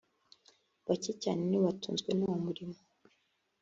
bake cyane ni bo batunzwe n’uwo murimo